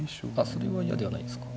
それは嫌ではないですか。